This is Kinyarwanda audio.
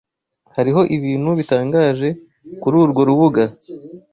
Hariho ibintu bitangaje kururwo rubuga.